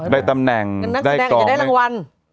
ได้ตำแหน่งนักแสดงอาจจะได้รางวัล